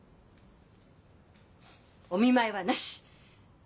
お見舞いはなし！